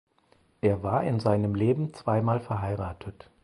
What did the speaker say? Er war in seinem Leben zweimal verheiratet.